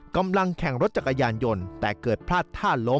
กำลังแข่งรถจักรยานยนต์แต่เกิดพลาดท่าล้ม